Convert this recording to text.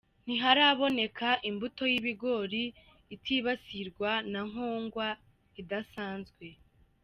Ntiharaboneka imbuto y’ibigori itibasirwa na nkongwa idasanzwe.